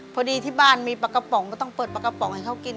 พอดีที่บ้านมีปลากระป๋องก็ต้องเปิดปลากระป๋องให้เขากิน